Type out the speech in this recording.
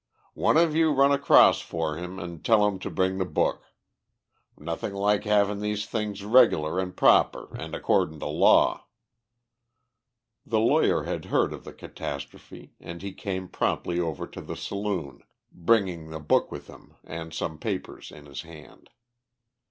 "One of you run across for him, and tell him to bring the book. Nothing like havin' these things regular and proper and accordin' to law." The lawyer had heard of the catastrophe, and he came promptly over to the saloon, bringing the book with him and some papers in his hand.